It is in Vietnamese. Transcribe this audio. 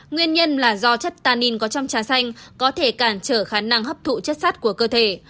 nguyên nhân là do chất tanin có trong trà xanh có thể cản trở khả năng hấp thụ chất sắt của cơ thể